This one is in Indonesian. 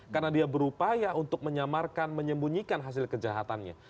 karena dia berupaya untuk menyamarkan menyembunyikan hasil kejahatannya